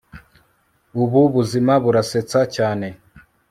Ubu buzima burasetsa cyane